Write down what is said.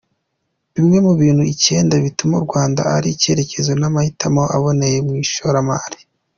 Bimwe mu bintu icyenda bituma u Rwanda ari icyerekezo n’amahitamo aboneye mu ishoramari.